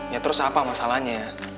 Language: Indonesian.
ya terus apa masalahnya